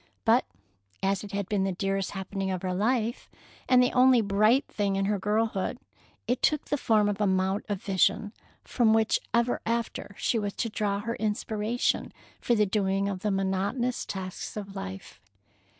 But as it had been the dearest happening of her life, and the only bright thing in her girlhood, it took the form of a mount of vision from which ever after she was to draw her inspiration for the doing of the monotonous tasks of life.